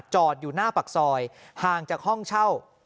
จอดอยู่หน้าปากซอยห่างจากห้องเช่า